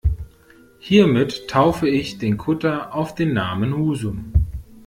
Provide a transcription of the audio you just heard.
Hiermit taufe ich den Kutter auf den Namen Husum.